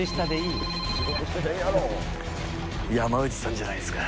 山内さんじゃないですか。